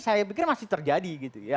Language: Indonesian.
saya pikir masih terjadi gitu ya